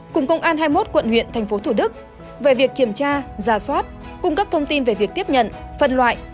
cùng công an hai mươi một quận huyện thành phố thủ đức về việc kiểm tra giả soát cung cấp thông tin về việc tiếp nhận phân loại